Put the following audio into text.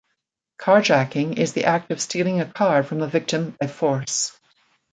Carjacking is the act of stealing a car from a victim by force.